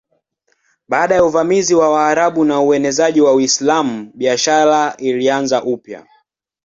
Baada ya uvamizi wa Waarabu na uenezaji wa Uislamu biashara ilianza upya.